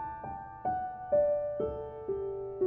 ของที่มันได้มาเนี่ยนะครับของที่มันได้มาเนี่ยนะครับ